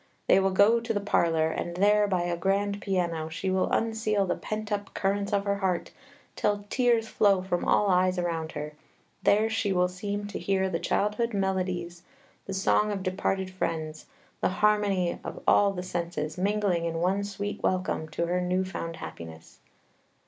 They will go to the parlor, and there, by a grand piano, she will unseal the pent up currents of her heart, till tears flow from all eyes around her; there she will seem to hear the childhood melodies, the song of departed friends, the harmony of all the senses, mingling in one sweet welcome to her new found happiness.